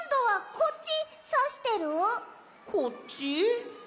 こっち？